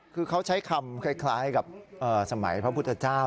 คือเขาใช้คำคล้ายกับสมัยพระพุทธเจ้า